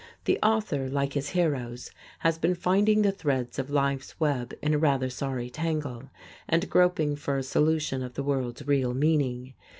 The author, like his heroes, has been finding the threads of life's web in a rather sorry tangle, and groping for a solution of the world's real meaning.